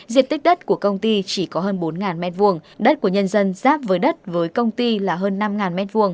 diện tích đất của công ty chỉ có hơn bốn m hai đất của nhân dân giáp với đất với công ty là hơn năm m hai